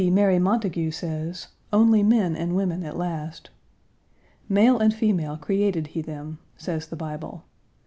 Lady Mary Montagu says, "Only men and women at last." "Male and female, created he them," says the Bible.